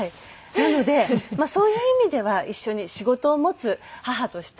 なのでまあそういう意味では一緒に仕事を持つ母として。